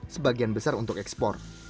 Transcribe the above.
sebagian besar untuk ekspor